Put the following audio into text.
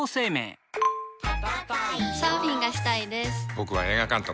僕は映画監督。